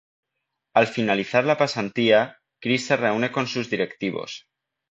Al finalizar la pasantía, Chris se reúne con sus directivos.